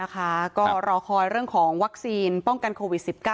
ก็รอคอยเรื่องของวัคซีนป้องกันโควิด๑๙